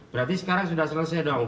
berarti sekarang sudah selesai dong